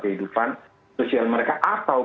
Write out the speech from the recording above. kehidupan sosial mereka atau